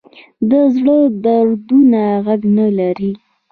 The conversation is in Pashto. د زړه دردونه غږ نه لري